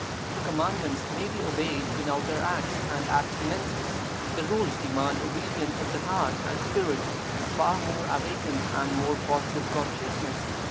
The Commandments may be obeyed in outer acts and abstinences; the Rules demand obedience of the heart and spirit, a far more awakened and more positive consciousness.